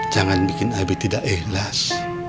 jangan bikin nabi tidak ikhlas